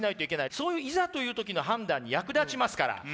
そういういざという時の判断に役立ちますから。